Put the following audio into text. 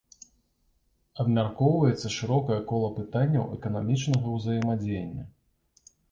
Абмяркоўваецца шырокае кола пытанняў эканамічнага ўзаемадзеяння.